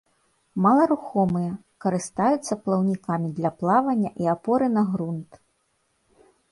Маларухомыя, карыстаюцца плаўнікамі для плавання і апоры на грунт.